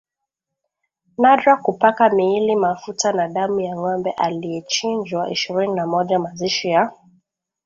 nadra kupaka miili mafuta na damu ya ngombe aliyechinjwa Ishirini na moja Mazishi ya